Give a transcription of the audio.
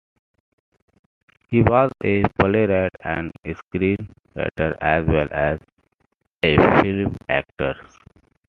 He was a playwright and screenwriter as well as a film actor.